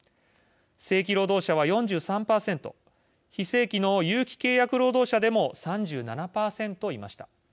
正規労働者は４３％非正規の有期契約労働者でも３７％いました。